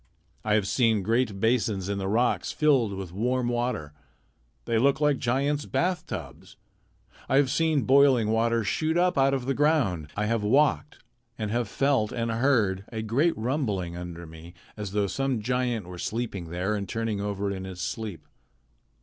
I have seen great basins in the rocks filled with warm water. They looked like giants' bath tubs. I have seen boiling water shoot up out of the ground. I have walked, and have felt and heard a great rumbling under me as though some giant were sleeping there and turning over in his sleep.